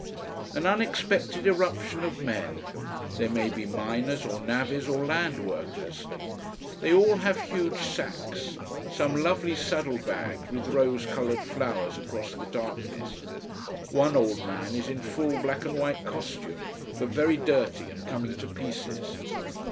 An unexpected irruption of men they may be miners or navvies or land workers. They all have huge sacks: some lovely saddle bags with rose coloured flowers across the darkness. One old man is in full black and white costume, but very dirty and coming to pieces.